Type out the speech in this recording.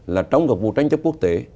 là trong vụ tranh chấp quốc tế